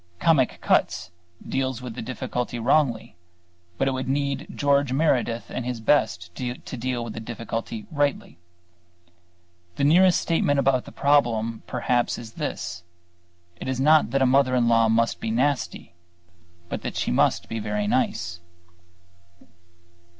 "Comic Cuts" deals with the difficulty wrongly, but it would need George Meredith at his best to deal with the difficulty rightly. The nearest statement of the problem perhaps is this: it is not that a mother in law must be nasty, but that she must be very nice.